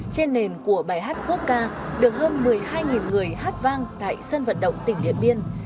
trên nền của bài hát quốc ca được hơn một mươi hai người hát vang tại sân vận động tỉnh điện biên